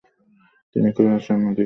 তিনি খোরাসান অধিকার করতে সমর্থ হন।